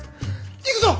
行くぞ！